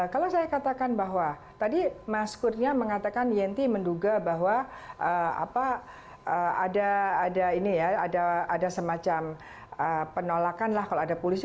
kalau saya katakan bahwa tadi mas kurnia mengatakan yenti menduga bahwa ada semacam penolakan lah kalau ada polisi